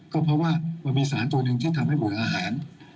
ก็เพราะว่ามันมีสารตัวหนึ่งที่ทำให้หมูอาหาร